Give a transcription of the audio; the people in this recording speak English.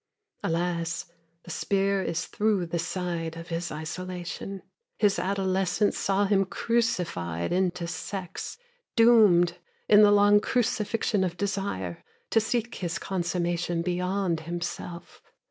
Alas, the spear is through the side of his isolation. His adolescence saw him crucified into sex, Doomed, in the long crucifixion of desire, to seek his consummation beyond himself.